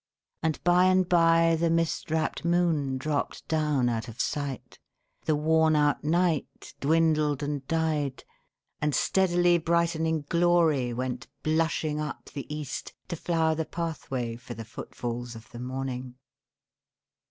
And by and by the mist wrapped moon dropped down out of sight, the worn out night dwindled and died, and steadily brightening Glory went blushing up the east to flower the pathway for the footfalls of the Morning.